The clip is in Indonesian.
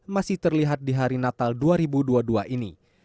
masih terlihat di hari natal dua ribu dua puluh dua ini